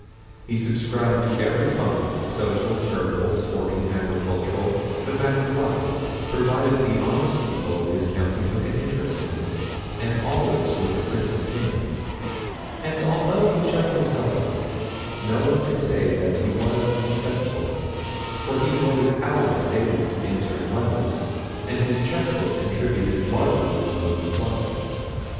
He subscribed to every fund, social, charitable, sporting, agricultural, no matter what, provided the honest people of his county took an interest in it, and always with a princely hand; and although he shut himself up, no one could say that he was inaccessible, for he devoted hours daily to answering letters, and his checque book contributed largely in those replies.